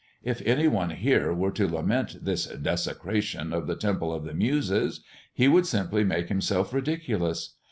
If any one here were to lament this 'desecration of the Temple of the Muses,' he would simply make himself ridiculous.